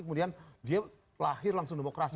kemudian dia lahir langsung demokrasi